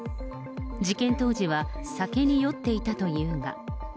事件当時は酒に酔っていたというが。